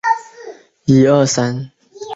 多数生产队现已被拆迁。